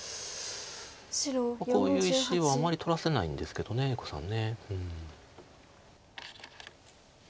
こういう石はあんまり取らせないんですけど栄子さん。